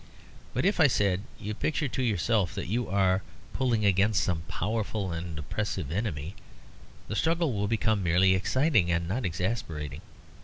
"But if," I said, "you picture to yourself that you are pulling against some powerful and oppressive enemy, the struggle will become merely exciting and not exasperating.